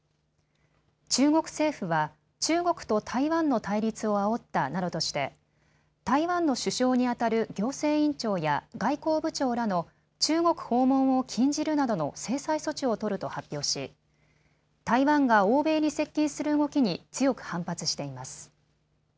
中国政府は中国と台湾の対立をあおったなどとして台湾の首相にあたる行政院長や外交部長らの中国訪問を禁じるなどの制裁措置を取ると発表し台湾が欧米に接近する動きに強く反発しています。